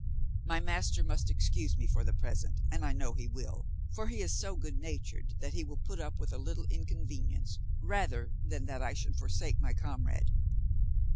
My master must excuse me for the present, and I know he will, for he is so good natured that he will put up with a little inconvenience rather than that I should forsake my comrade.